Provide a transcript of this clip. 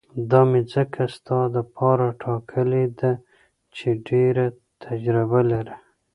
دا مې ځکه ستا دپاره ټاکلې ده چې ډېره تجربه لري.